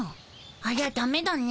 ありゃダメだね。